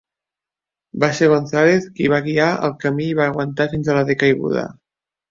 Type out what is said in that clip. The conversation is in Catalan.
Va ser Gonzalez qui va guiar el camí i va aguantar fins la decaiguda.